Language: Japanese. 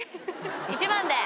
１番で。